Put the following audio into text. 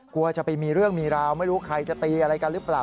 กลัวจะไปมีเรื่องมีราวไม่รู้ใครจะตีอะไรกันหรือเปล่า